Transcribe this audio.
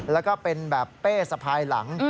แล้วก็เป็นแบบเป้สะพายหลัง